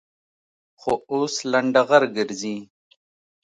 خو اوس لنډغر گرځي.